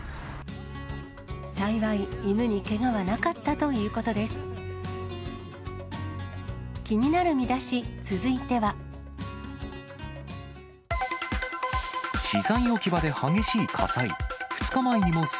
幸い、犬にけがはなかったということです。